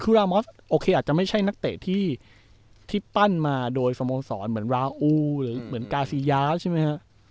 คือรามอสโอเคอาจจะไม่ใช่นักเตะที่ปั้นมาโดยสโมสรเหมือนราอูหรือเหมือนกาซียาใช่ไหมฮะ